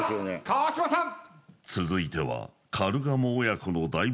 川島さん。